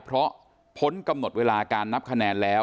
เพราะพ้นกำหนดเวลาการนับคะแนนแล้ว